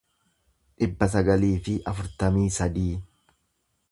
dhibba sagalii fi afurtamii sadii